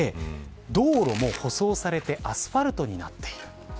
道路も舗装されてアスファルトになっている。